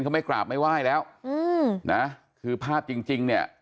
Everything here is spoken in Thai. เขาไม่กราบไม่ไหว้แล้วอืมนะคือภาพจริงจริงเนี่ย